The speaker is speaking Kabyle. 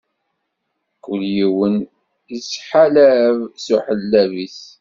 Kul yiwen ittḥalab s uḥellab-is.